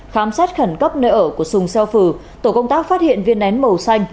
khám sát khẩn cấp nơi ở của sùng seo phừ tổ công tác phát hiện viên nén màu xanh